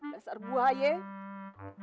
dasar buah ayah